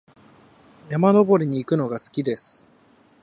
山登りに行くのが好きです。